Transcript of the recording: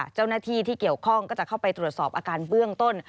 เจ้าหน้าที่ที่เกี่ยวข้องก็จะเข้าไปตรวจสอบอาการเบื้องต้น